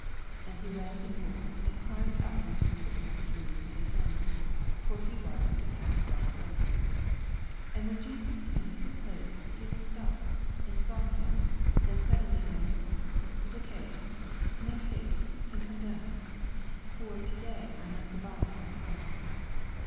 4 And he ran before, and climbed up into a sycamore tree to the him, for he was to pass that way, 5 And when Jesus came to the place, he looked up, and saw him. ana said unto him, Zacchsus, make naste, and come down ; for to day 1 must abide at thy house.